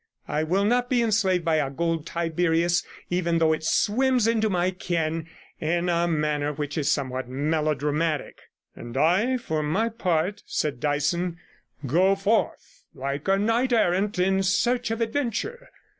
I will not be enslaved by a gold Tiberius, even though it swims into my ken in a manner which is somewhat melodramatic' 'And I, for my part,' said Dyson, 'go forth like a knight errant in search of adventure.